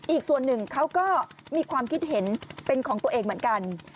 อีกส่วนหนึ่งเขาก็มีความคิดเห็นเป็นของตัวเองเหมือนกัน